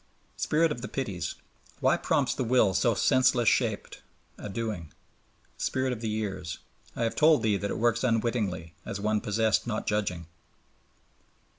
Spirit of the Pities Why prompts the Will so senseless shaped a doing? Spirit of the Years I have told thee that It works unwittingly, As one possessed not judging.